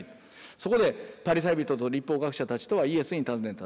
そこでパリサイ人と律法学者たちとはイエスに尋ねた。